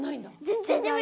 全然。